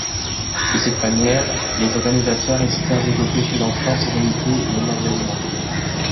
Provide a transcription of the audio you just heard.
De cette manière, les organisateurs espèrent développer chez l'enfant sérénité et émerveillement.